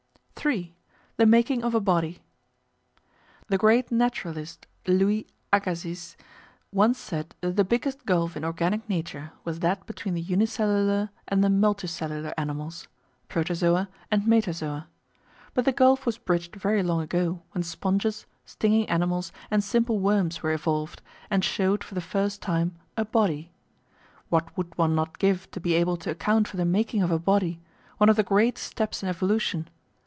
§ 3 The Making of a Body The great naturalist Louis Agassiz once said that the biggest gulf in Organic Nature was that between the unicellular and the multicellular animals (Protozoa and Metazoa). But the gulf was bridged very long ago when sponges, stinging animals, and simple worms were evolved, and showed, for the first time, a "body." What would one not give to be able to account for the making of a body, one of the great steps in evolution!